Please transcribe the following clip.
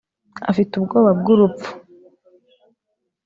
afite ubwoba bw'urupfu